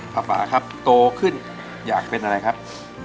ป่าครับโตขึ้นอยากเป็นอะไรครับ